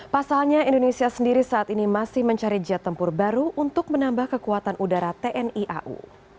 pasalnya indonesia sendiri saat ini masih mencari jet tempur baru untuk menambah kekuatan udara tni au